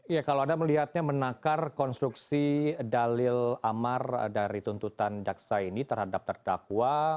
iya kalau ada melihatnya menakar konstruksi dalil amar dari tuntutan jaksa ini terhadap tertakwa